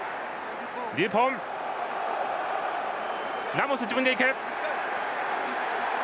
ラモス、自分で行く！